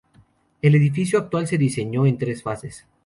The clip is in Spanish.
El edificio actual se diseñó en tres fases.